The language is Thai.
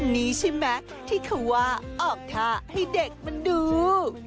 นี่ใช่ไหมที่เขาว่าออกท่าให้เด็กมันดู